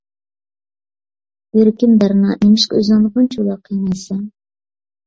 يۈرىكىم بەرنا، نېمىشقا ئۆزۈڭنى بۇنچىۋالا قىينايسەن؟